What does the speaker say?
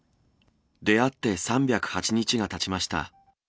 出会って３０８日がたちました。